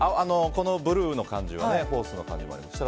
このブルーな感じはホースの感じもあります。